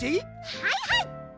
はいはい！